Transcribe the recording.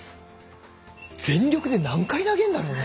全力で何回投げるんだろうね？